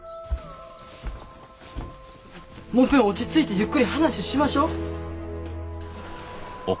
もっぺん落ち着いてゆっくり話しましょ。